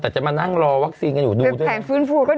แต่จะมานั่งรอวัคซีนกันอยู่ดูด้วย